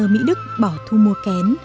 nhà máy ưm tơ mỹ đức bỏ thu mua kén